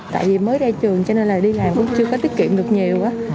tại vì mới ra trường cho nên là đi làm cũng chưa có tiết kiệm được nhiều